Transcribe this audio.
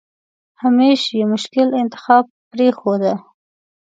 همېش یې مشکل انتخاب پرېښوده.